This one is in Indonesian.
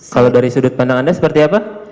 kalau dari sudut pandang anda seperti apa